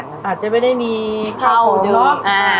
มีข้อเสนออยากให้แม่หน่อยอ่อนสิทธิ์การเลี้ยงดู